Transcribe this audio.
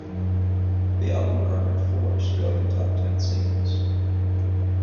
The album garnered four Australian top ten singles.